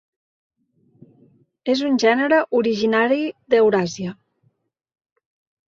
És un gènere originari d'Euràsia.